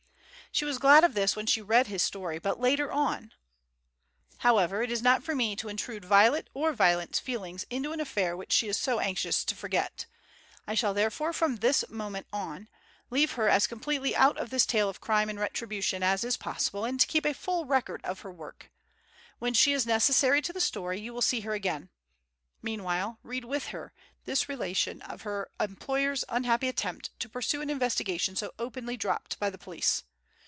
She was glad of this when she read his story; but later on However, it is not for me to intrude Violet, or Violet's feelings into an affair which she is so anxious to forget. I shall therefore from this moment on, leave her as completely out of this tale of crime and retribution as is possible and keep a full record of her work. When she is necessary to the story, you will see her again. Meanwhile, read with her, this relation of her employer's unhappy attempt to pursue an investigation so openly dropped by the police.